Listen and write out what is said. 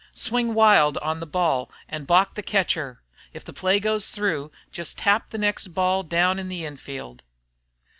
Swing wild on the ball an' balk the catcher. If the play goes through jest tap the next ball down in the infield."